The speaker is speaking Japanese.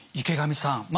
池上さん